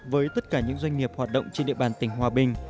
với tất cả những doanh nghiệp hoạt động trên địa bàn tỉnh hòa bình